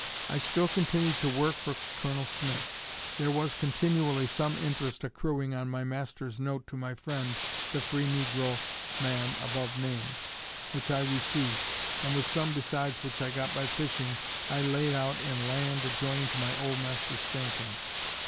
I still continued to work for Col. Smith. Ther was continually some interest accruing on my master's note to my friend the free negro man above named, which I received, and with some besides which I got by fishing, I laid out in land adjoining my old master Stanton's.